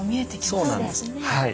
そうなんですはい。